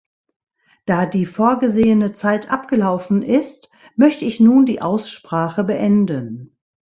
Da die vorgesehene Zeit abgelaufen ist, möchte ich nun die Aussprache beenden.